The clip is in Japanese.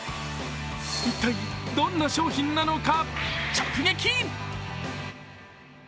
一体どんな商品なのか、直撃。